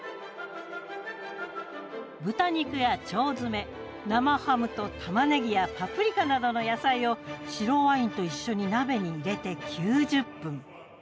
豚肉や腸詰め生ハムとたまねぎやパプリカなどの野菜を白ワインと一緒に鍋に入れて９０分。